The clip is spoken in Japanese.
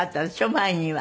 前には。